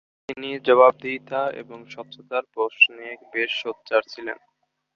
তিনি জবাবদিহিতা এবং স্বচ্ছতার প্রশ্নে বেশ সোচ্চার ছিলেন।